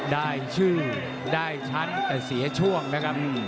ได้ชื่อได้ชั้นแต่เสียช่วงนะครับ